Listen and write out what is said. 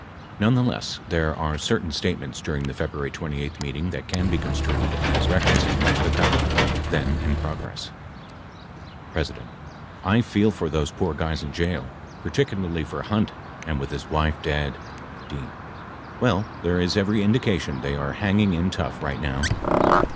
Nonetheless, there are certain statements during the February 28th meeting that can be construed as referenc ing the coverup then in progress : P. I feel for those poor guys in jail, particularly for Hunt and with his wife dead. D. Well there is every indication they are hanging in tough light now.